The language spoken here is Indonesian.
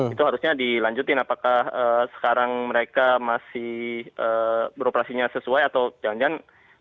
itu harusnya dilanjutin apakah sekarang mereka masih beroperasinya sesuai atau jangan jangan